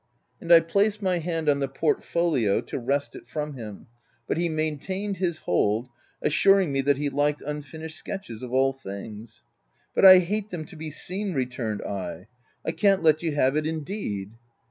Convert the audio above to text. And I placed my hand on the portfolio to wrest it from him ; but he maintained his hold, assuring me that he " liked unfinished sketches of all things." " But I hate them to be seen/' returned I. " I can't let you have it, indeed